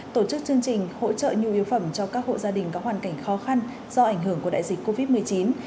tổ chức chương trình hỗ trợ nhu yếu phẩm cho các hộ gia đình có hoàn cảnh khó khăn do ảnh hưởng của đại dịch covid một mươi chín